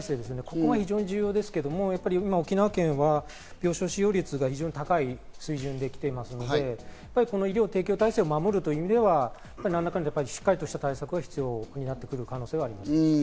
ここが重要ですけれども、沖縄県は病床使用率が非常に高い水準で来ていますので、医療提供体制を守るという上では、何らかのしっかりとした対策が必要になってくる可能性はあります。